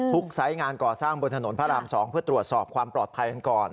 ไซส์งานก่อสร้างบนถนนพระราม๒เพื่อตรวจสอบความปลอดภัยกันก่อน